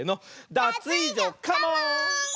ダツイージョカモン！